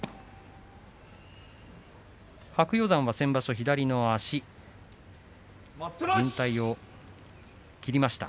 白鷹山は先場所、左の足じん帯を切りました。